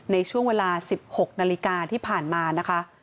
ในช่วงเวลา๑๖นาฬิกาที่ผ่านมานะคะ